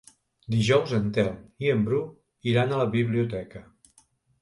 Dijous en Telm i en Bru iran a la biblioteca.